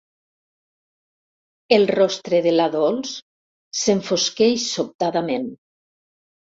El rostre de la Dols s'enfosqueix sobtadament.